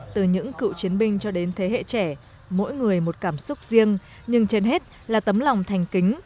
từ những cựu chiến binh cho đến thế hệ trẻ mỗi người một cảm xúc riêng nhưng trên hết là tấm lòng thành kính